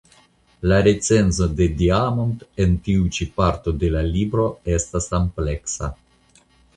La recenzo de Diamond en ĉi tiu parto de la libro estas ampleksa.